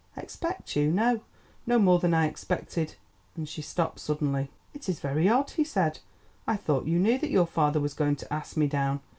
"Expect you? no. No more than I expected——" and she stopped suddenly. "It is very odd," he said; "I thought you knew that your father was going to ask me down.